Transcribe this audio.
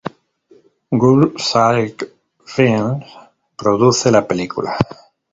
Gold Circle Films produce la película.